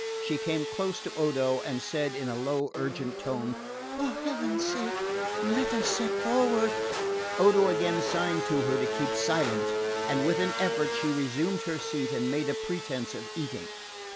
She came close to Odo and said in a low urgent tone: "For heaven's sake, let us set forward!" Odo again signed to her to keep silent, and with an effort she resumed her seat and made a pretence of eating.